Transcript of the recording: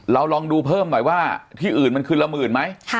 ลองดูเพิ่มหน่อยว่าที่อื่นมันคืนละหมื่นไหม